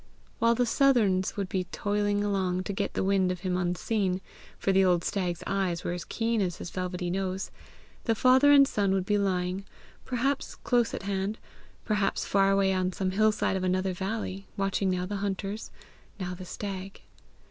While, the southrons would be toiling along to get the wind of him unseen, for the old stag's eyes were as keen as his velvety nose, the father and son would be lying, perhaps close at hand, perhaps far away on some hill side of another valley, watching now the hunters, now the stag.